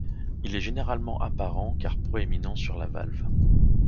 Il est généralement apparent car proéminent sur la valve.